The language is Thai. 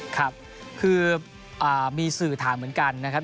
ครับคือมีสื่อถามเหมือนกันนะครับ